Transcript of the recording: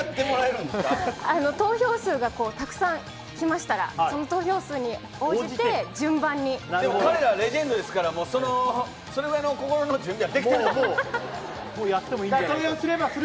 投票数がたくさん来ましたら、その投票数に応じて、彼らはレジェンドですから、もうそれぐらいの心の準備はできてる。